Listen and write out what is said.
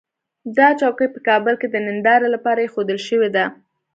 دا چوکۍ په کابل کې د نندارې لپاره اېښودل شوې ده.